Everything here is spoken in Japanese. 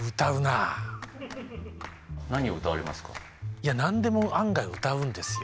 いや何でも案外歌うんですよ